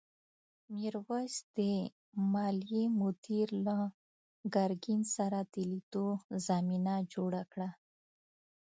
میرويس د مالیې مدیر له ګرګین سره د لیدو زمینه جوړه کړه.